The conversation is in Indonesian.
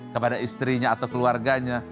kepada istrinya atau keluarganya